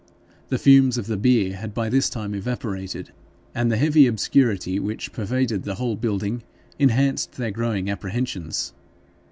The fumes of the beer had by this time evaporated, and the heavy obscurity which pervaded the whole building enhanced their growing apprehensions.